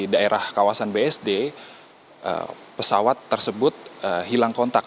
daerah kawasan bsd pesawat tersebut hilang kontak